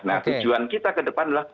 nah tujuan kita ke depan adalah